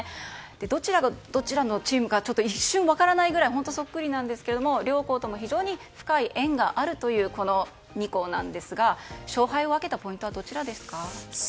どちらがどちらのチームなのか一瞬分からないくらいそっくりなんですが両校とも、深い縁があるという２校なんですが勝敗を分けたポイントはどちらですか？